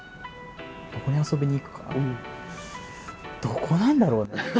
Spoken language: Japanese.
どこに遊びに行くかどこなんだろうね。